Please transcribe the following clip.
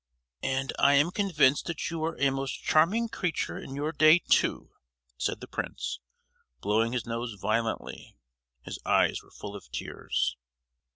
"And I am convinced that you were a most charming creature in your day, too!" said the prince, blowing his nose violently. His eyes were full of tears.